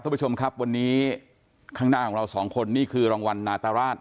ท่านผู้ชมครับวันนี้ข้างหน้าของเราสองคนนี่คือรางวัลนาตราช